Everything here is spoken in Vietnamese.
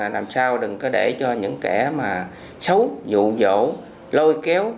làm sao đừng có để cho những kẻ mà xấu dụ dỗ lôi kéo